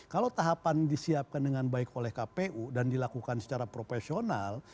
kalau tahapan disiapkan dengan baik oleh kpu dan dilakukan secara profesional